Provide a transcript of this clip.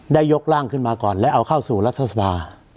ยกร่างขึ้นมาก่อนและเอาเข้าสู่รัฐสภา